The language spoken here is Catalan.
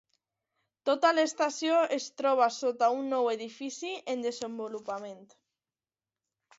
Tota l'estació es troba sota un nou edifici en desenvolupament.